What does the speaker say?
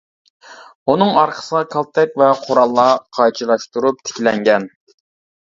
ئۇنىڭ ئارقىسىغا كالتەك ۋە قوراللار قايچىلاشتۇرۇپ تىكلەنگەن.